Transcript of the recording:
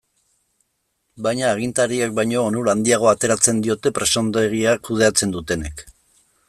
Baina agintariek baino onura handiagoa ateratzen diote presondegia kudeatzen dutenek.